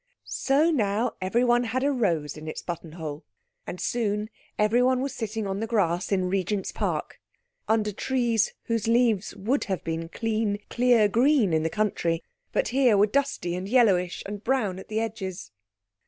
So now everyone had a rose in its buttonhole, and soon everyone was sitting on the grass in Regent's Park under trees whose leaves would have been clean, clear green in the country, but here were dusty and yellowish, and brown at the edges.